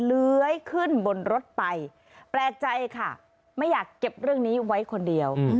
เลื้อยขึ้นบนรถไปแปลกใจค่ะไม่อยากเก็บเรื่องนี้ไว้คนเดียว